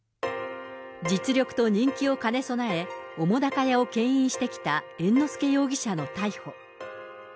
実力と人気を兼ね備え、澤瀉屋をけん引してきた猿之助容疑者の逮捕。